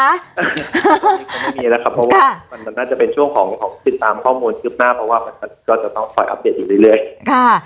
ไม่มีแล้วค่ะเพราะว่ามันน่าจะเป็นช่วงของข้อมูลติดตามข้อมูลลิบหน้า